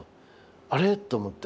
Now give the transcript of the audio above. あれっと思って